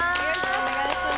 お願いします。